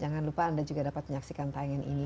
jangan lupa anda juga dapat menyaksikan tayangan ini